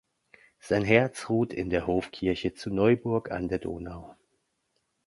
Sein Herz ruht in der Hofkirche zu Neuburg an der Donau.